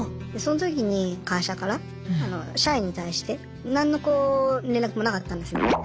その時に会社から社員に対して何のこう連絡もなかったんですよね。